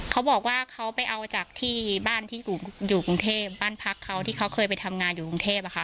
เขาบอกว่าเขาไปเอาจากที่บ้านที่อยู่กรุงเทพบ้านพักเขาที่เขาเคยไปทำงานอยู่กรุงเทพอะค่ะ